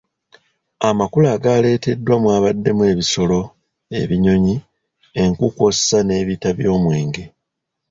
Amakula agaleeteddwa mubaddemu ebisolo, ebinyonyi, enku kw’ossa n’ebita by’omwenge.